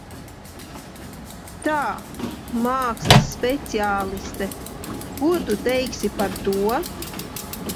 Tā, mākslas speciāliste, ko tu teiksi par to?